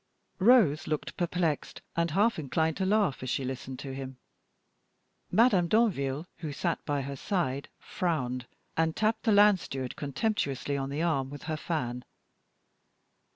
Rose looked perplexed, and half inclined to laugh, as she listened to him. Madame Danville, who sat by her side, frowned, and tapped the land steward contemptuously on the arm with her fan.